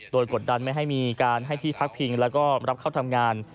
โดยกฎดันไม่ให้มีงไปที่พักพิงและรับเข้าทำงาน